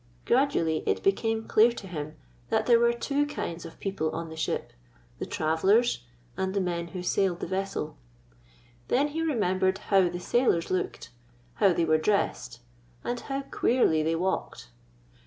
Gradually it became clear to him that there were two kinds of people on the ship — the travelers and the men who sailed the vessel. Then he remembered how the sailors looked, how they were dressed, and how queerly they walked.